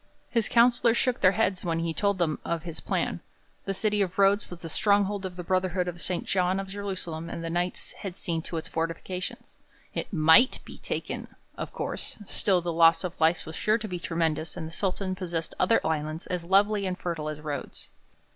His councillors shook their heads when he told them of his plan. The city of Rhodes was the stronghold of the Brotherhood of St. John of Jerusalem and the Knights had seen to its fortifications. It might be taken, of course; still the loss of life was sure to be tremendous and the Sultan possessed other islands as lovely and fertile as Rhodes.